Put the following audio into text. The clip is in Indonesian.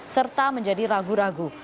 serta menjadi ragu ragu